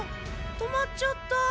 止まっちゃった。